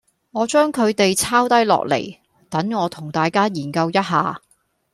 我將佢哋抄低落嚟，等我同大家研究一下